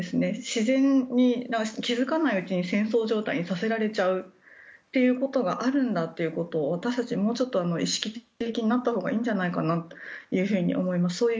自然に気付かないうちに戦争状態にさせられちゃうことがあるんだということに私たちはもうちょっと意識的にあるんじゃないかなと思います。